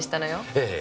ええ。